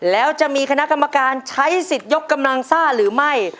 แล้วจะมีคณะกรรมการใช้สิทธิ์ยกกำลังซ่าหรือไม่